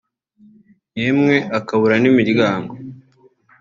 yemwe akakura nimiryango